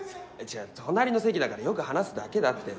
違う隣の席だからよく話すだけだって